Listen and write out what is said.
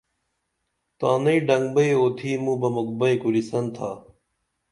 تانئی ڈنگبئیں اُتِھی موں بہ مُکھ بئیں کُرِسن تھا